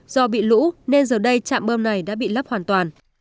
do bị lũ nên giờ đây trạm bơm này đã bị lấp hoàn toàn